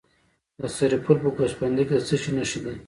د سرپل په ګوسفندي کې د څه شي نښې دي؟